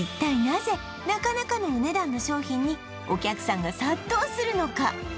なぜなかなかのお値段の商品にお客さんが殺到するのか？